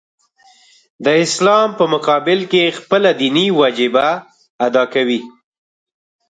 د اسلام په مقابل کې خپله دیني وجیبه ادا کوي.